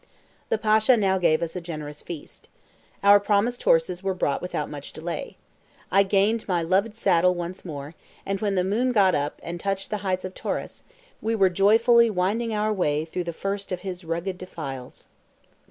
The Pasha now gave us a generous feast. Our promised horses were brought without much delay. I gained my loved saddle once more, and when the moon got up and touched the heights of Taurus, we were joyfully winding our way through the first of his rugged defiles.